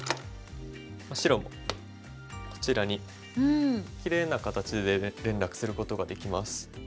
白もこちらにきれいな形で連絡することができます。